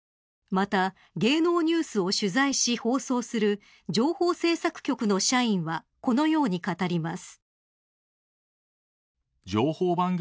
また、芸能ニュースを取材し放送する情報制作局の社員はこのように語ります。